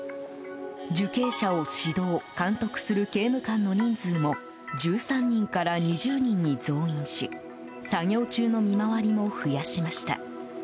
受刑者を指導・監督する刑務官の人数も１３人から２０人に増員し作業中の見回りも増やしました。